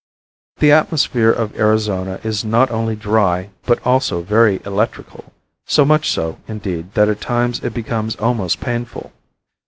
The atmosphere of Arizona is not only dry but also very electrical, so much so, indeed, that at times it becomes almost painful.